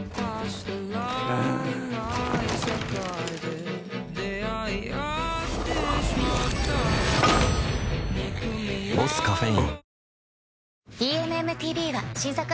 うん「ボスカフェイン」